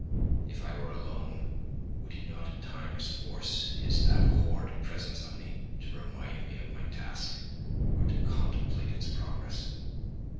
If I were alone, would he not at times force his abhorred presence on me to remind me of my task or to contemplate its progress?